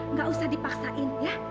nggak usah dipaksain ya